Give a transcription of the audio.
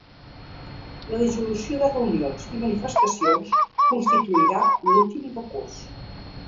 La dissolució de reunions i manifestacions constituirà l’últim recurs.